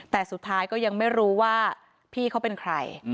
แต่สุดท้ายก็ยังไม่รู้ว่าพี่เขาเป็นใคร